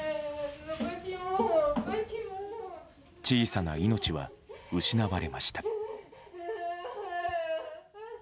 小さな命は失われました。